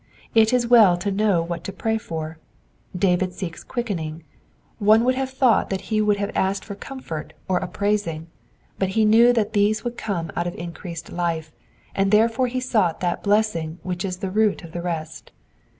It is well to know what to pray for, — David seeks quickening : one would have thought that Digitized by VjOOQIC ?; 70 EXPOSITIOKS OP THE PSALMS. he would have asked for comfort or upraising, but he knew that these would come out of increased life, and therefore he sought that blessing which is the root of the rest.